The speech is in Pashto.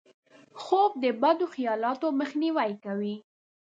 خوب د بدو خیالاتو مخنیوی کوي